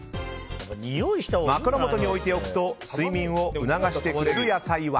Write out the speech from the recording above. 枕元に置いておくと睡眠を促してくれる野菜は？